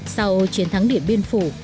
sau chiến thắng điện biên phủ